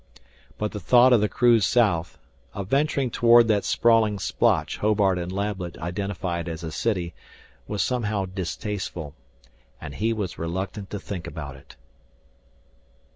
But the thought of the cruise south, of venturing toward that sprawling splotch Hobart and Lablet identified as a city was somehow distasteful, and he was reluctant to think about it.